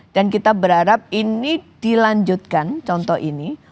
dan kita berharap ini dilanjutkan contoh ini